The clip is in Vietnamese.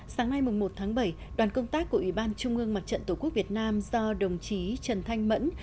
sáng nay một tháng bảy đoàn công tác của ủy ban trung ương mặt trận tổ quốc việt nam do đồng chí trần thanh mẫn